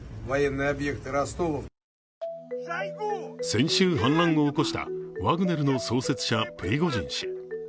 先週、反乱を起こしたワグネルの創設者、プリゴジン氏。